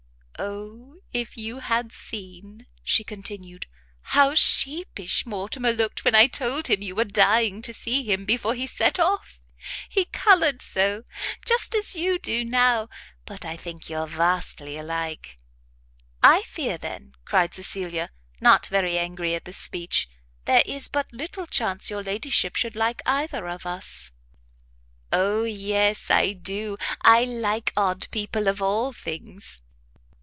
"O if you had seen," she continued, "how sheepish Mortimer looked when I told him you were dying to see him before he set off! he coloured so! just as you do now! but I think you're vastly alike." "I fear, then," cried Cecilia, not very angry at this speech, "there is but little chance your ladyship should like either of us." "O yes, I do! I like odd people of all things."